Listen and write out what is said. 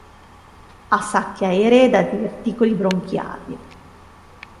Ha sacche aeree da diverticoli bronchiali.